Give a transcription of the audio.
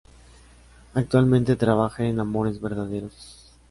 Actualmente trabaja en "Amores verdaderos".